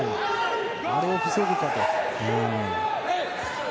あれを防ぐかと。